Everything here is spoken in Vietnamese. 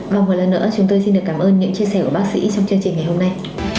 và một lần nữa chúng tôi xin được cảm ơn những chia sẻ của bác sĩ trong chương trình ngày hôm nay